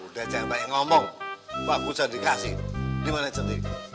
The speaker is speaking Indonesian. udah jangan banyak ngomong aku sudah dikasih dimana centini